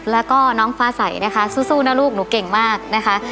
แล้วก็น้องฟ้าใสนะคะสู้นะลูกหนูเก่งมากนะคะ